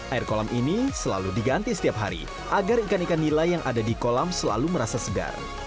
air kolam ini selalu diganti setiap hari agar ikan ikan nila yang ada di kolam selalu merasa segar